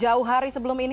jauh hari sebelum ini